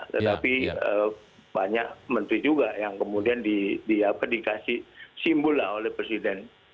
tetapi banyak menteri juga yang kemudian dikasih simbol lah oleh presiden